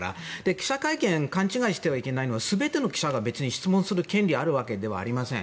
記者会見勘違いしてはいけないのは全ての記者が別に質問する権利があるわけではありません。